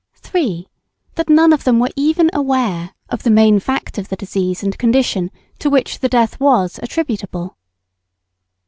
3. That none of them were even aware of the main fact of the disease and condition to which the death was attributable.